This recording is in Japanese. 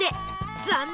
残念！